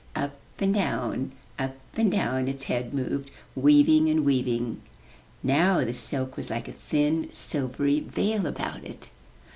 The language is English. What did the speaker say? Up and down, up and down its head moved, weaving and weaving. Now the silk was like a thin, silvery veil about it.